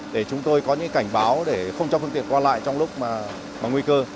để chúng tôi có những cảnh báo để không cho phương tiện qua lại trong lúc mà nguy cơ